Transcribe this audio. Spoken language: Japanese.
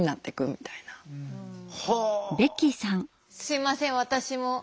すいません私も。